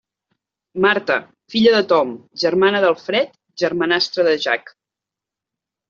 Marta: filla de Tom, germana d'Alfred, germanastra de Jack.